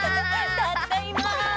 たっだいま！